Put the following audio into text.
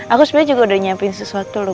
aku sebenarnya juga udah nyiapin sesuatu loh